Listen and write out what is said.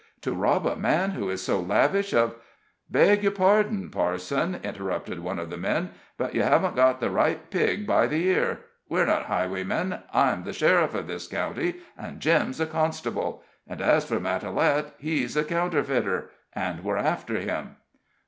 To rob a man who is so lavish of " "Beg your pardon, parson," interrupted one of the men, "but you haven't got the right pig by the ear. We're not highwaymen. I'm the sheriff of this county, and Jim's a constable. And as for Matalette, he's a counterfeiter, and we're after him."